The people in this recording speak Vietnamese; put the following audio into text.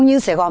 như sài gòn